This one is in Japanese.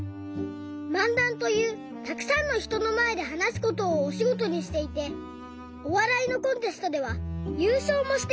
漫談というたくさんのひとのまえではなすことをおしごとにしていておわらいのコンテストではゆうしょうもしています！